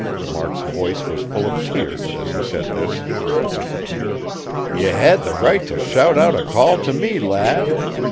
Mark's voice was full of tears as he said this. "Ye had the right t' shout out a call t' me, lad.